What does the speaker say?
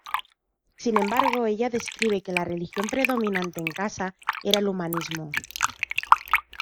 Sin embargo, ella describe que la "religión" predominante en casa era el humanismo.